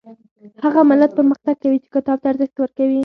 هغه ملت پرمختګ کوي چې کتاب ته ارزښت ورکوي